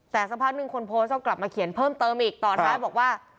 แต่สักพักหนึ่งคนโพสต์ก็กลับมาเขียนเพิ่มเติมอีกตอนท้ายบอกว่า